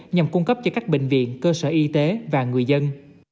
nhằm cung cấp cho các bệnh viện cơ sở y tế và người dân